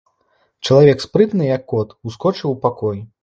Чалавек спрытна, як кот, ускочыў у пакой.